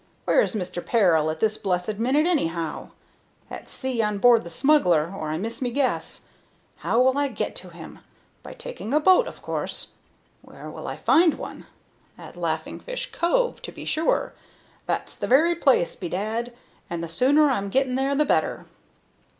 Where is Mister Peril at this blessed minute, anyhow? At sea on board the smuggler, or I miss me guess. How will I get to him? By taking a boat, of course. Where will I find one? At Laughing Fish Cove, to be sure. That's the very place, bedad! and the sooner I'm getting there the better."